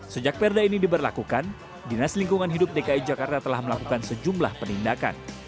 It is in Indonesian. sejak perda ini diberlakukan dinas lingkungan hidup dki jakarta telah melakukan sejumlah penindakan